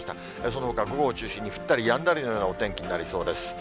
そのほか午後を中心に降ったりやんだりのようなお天気になりそうです。